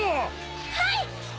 はい！